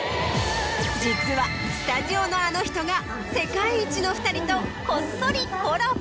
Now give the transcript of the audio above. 実はスタジオのあの人が世界一の２人とこっそりコラボ。